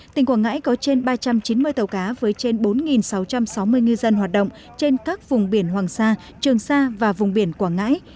tỉnh quảng ngãi có trên ba trăm chín mươi tàu cá với trên bốn sáu trăm sáu mươi ngư dân hoạt động trên các vùng biển hoàng sa trường sa và vùng biển quảng ngãi